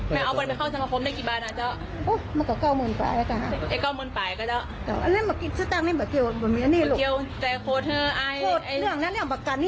มันไม่ได้จ้างฆ่าอย่างสักอย่างฆ่าอย่างคนเดียวมันอ่ะไม่เงียบว่าฆ่า